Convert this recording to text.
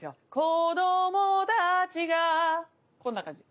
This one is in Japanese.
こどもたぁちがぁこんな感じ。